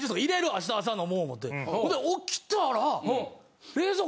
明日朝飲もう思てほんで起きたら。